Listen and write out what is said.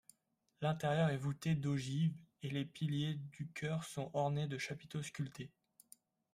L'intérieur est voûté d'ogives et les piliers du chœur sont ornés de chapiteaux sculptés.